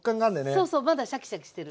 そうそうまだシャキシャキしてる。